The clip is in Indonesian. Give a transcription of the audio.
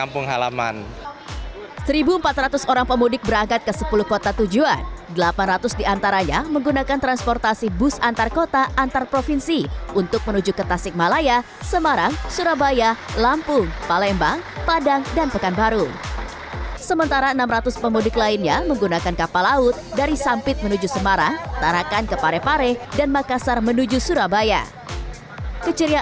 pihaknya turut berkomunikasi